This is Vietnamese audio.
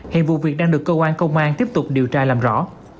hiện vụ việc đang được công an tiếp tục điều tra làm rõ